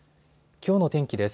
きょうの天気です。